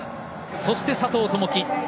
そして佐藤友祈。